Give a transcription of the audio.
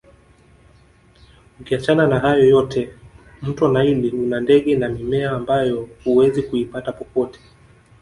Ukiachana na hayo yote mto naili una ndege na mimea ambayo huwezi kuipata popote